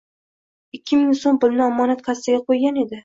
Ikki ming soʻm pulni omonat kassaga qoʻygan edi.